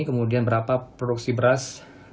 kemudian berapa produksi beras